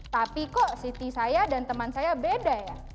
tapi kok city saya dan teman saya beda ya